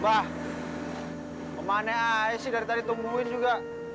mbah kemana ae sih dari tadi tungguin juga